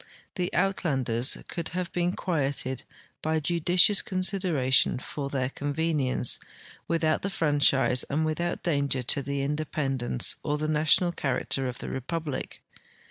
The Uitlanders could have been quieted by judicious consid eration for their convenience, Avithout the franchise and with out danger to the independence or the national character of the rejAuhlic.